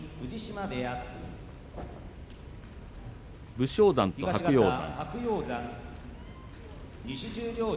武将山と白鷹山。